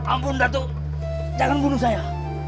ampun datu jangan bunuh saya